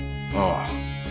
ああ。